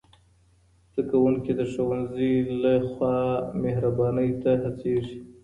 زدهکوونکي د ښوونځي له خوا مهربانۍ ته هڅېږي.